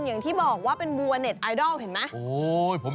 อย่างที่บอกว่าเป็นบัวเน็ตไอดอลเห็นไหม